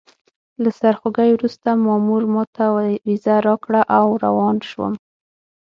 له سرخوږي وروسته مامور ماته ویزه راکړه او روان شوم.